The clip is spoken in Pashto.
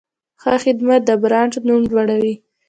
ښه خدمت د برانډ نوم لوړوي.